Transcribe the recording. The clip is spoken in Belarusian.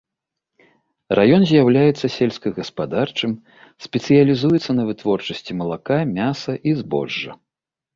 Раён з'яўляецца сельскагаспадарчым, спецыялізуецца на вытворчасці малака, мяса і збожжа.